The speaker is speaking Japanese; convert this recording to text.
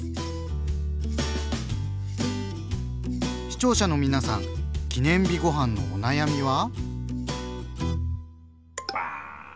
視聴者の皆さん記念日ごはんのお悩みは？